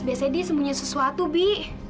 biasanya dia semunyi sesuatu bi